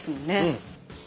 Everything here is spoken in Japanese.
うん。